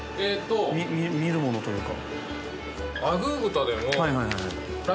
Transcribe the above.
見るものというか。